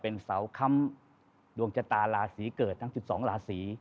เป็นเสาค้ำดวงชะตาราศีเกิดทั้ง๑๒ราศี